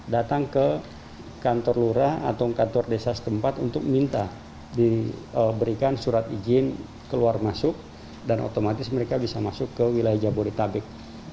dan otomatis mereka bisa masuk ke wilayah jabodetabek